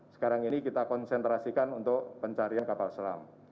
sekarang ini kita konsentrasikan untuk pencarian kapal selam